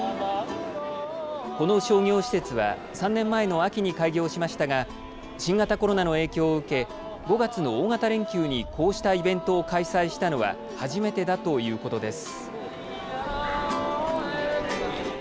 この商業施設は３年前の秋に開業しましたが新型コロナの影響を受け、５月の大型連休にこうしたイベントを開催したのは初めてだということです。